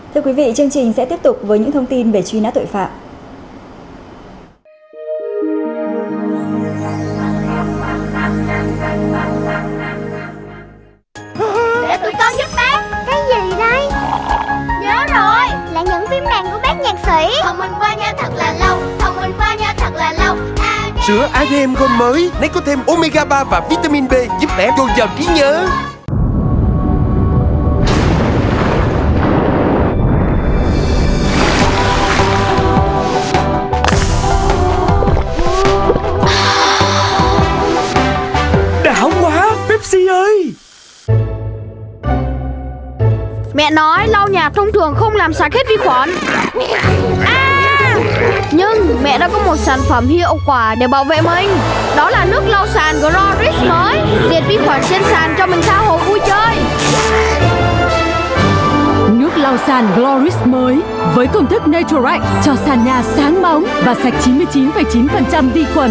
thưa quý vị chương trình sẽ tiếp tục với những thông tin về truy nát tội phạm